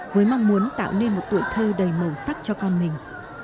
với mong muốn tạo nên một tuổi thơ đầy màu sắc cho con mình